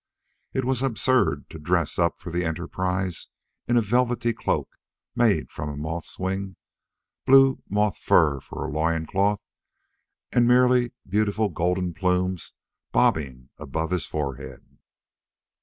It was absurd to dress up for the enterprise in a velvety cloak made of a moth's wing, blue moth fur for a loin cloth, and merely beautiful golden plumes bobbing above his forehead.